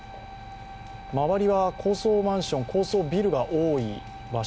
周りは高層マンション、高層ビルが多い場所